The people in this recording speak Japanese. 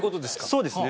そうですね。